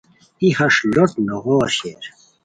ای ہݰ لوٹ نوغور شیر